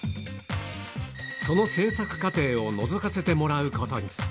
その制作過程をのぞかせてもらうことに。